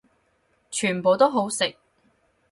全部都好食